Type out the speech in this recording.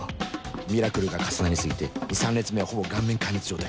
ミラクルが重なり過ぎて２３列目はほぼ顔面壊滅状態